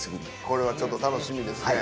これはちょっと楽しみですね。